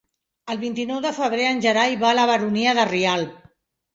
El vint-i-nou de febrer en Gerai va a la Baronia de Rialb.